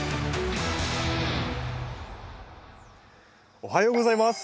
おはようございます。